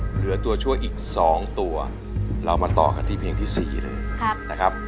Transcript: เหลือตัวช่วยอีก๒ตัวเรามาต่อกันที่เพลงที่๔เลยนะครับ